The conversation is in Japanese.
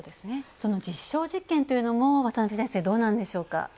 その実証実験というのも渡辺先生、どうなんでしょうか？